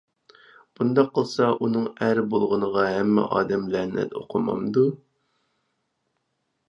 بۇنداق قىلسا ئۇنىڭ ئەر بولغىنىغا ھەممە ئادەم لەنەت ئوقۇمامدۇ؟